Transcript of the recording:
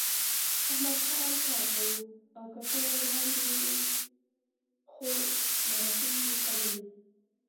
احمدخان کار کاوه او ککو ړوند و خو مرکې یې کولې